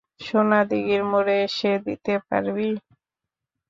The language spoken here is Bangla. সোনাদীঘির মোড়ে এসে দিতে পারবি?